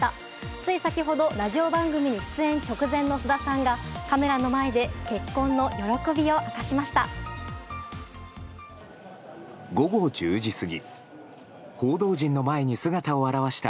つい先ほどラジオ番組出演直前の菅田さんがカメラの前で結婚の喜びを明かしました。